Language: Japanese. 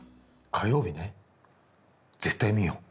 火曜日ね絶対見よう。